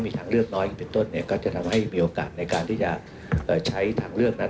มีทางเลือกน้อยเป็นต้นเนี่ยก็จะทำให้มีโอกาสในการที่จะใช้ทางเลือกนั้น